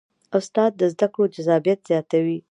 استاد د زده کړو جذابیت زیاتوي.